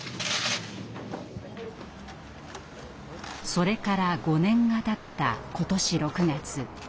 それから５年がたった今年６月。